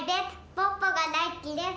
ポッポがだいすきです。